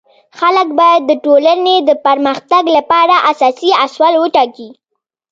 خلک باید د ټولنی د پرمختګ لپاره اساسي اصول وټاکي.